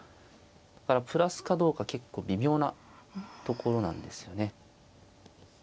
だからプラスかどうか結構微妙なところなんですよね。